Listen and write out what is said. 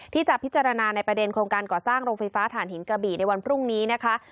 ที่จะพิจารณาในประเด็นโครงการก่อสร้างโรงไฟฟ้าฐานหินกระบี่ในวันพรุ่งนี้นะคะ